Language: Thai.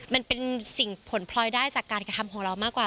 มันเป็นสิ่งผลพลอยได้จากการกระทำของเรามากกว่า